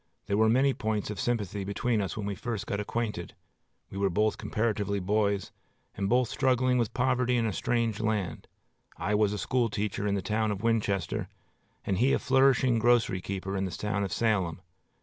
There were many points of sympathy between us when we first got acquainted. We were both comparatively boys, and both struggling with poverty in a strange land. I was a school teacher in the town of Winchester, and he a flourishing grocery keeper in the town of Salem.